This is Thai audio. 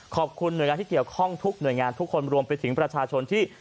ขอบคุณหน่วยงานที่เกี่ยวข้องทุกหน่วยงานทุกคนรวมไปถึงประชาชนที่